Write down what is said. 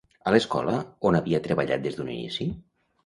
A l'escola on havia treballat des d'un inici?